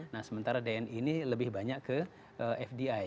nah sementara dni ini lebih banyak ke fdi